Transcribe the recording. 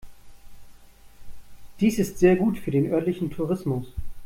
Dies ist sehr gut für den örtlichen Tourismus.